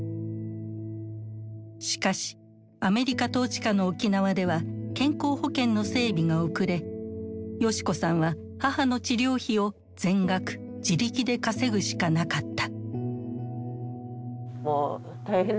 しかしアメリカ統治下の沖縄では健康保険の整備が遅れ世志子さんは母の治療費を全額自力で稼ぐしかなかった。